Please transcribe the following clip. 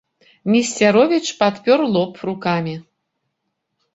Несцяровіч падпёр лоб рукамі.